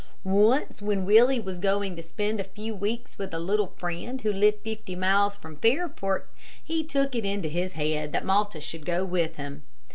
Once, when Willie was going to spend a few weeks with a little friend who lived fifty miles from Fairport, he took it into his head that Malta should go with him.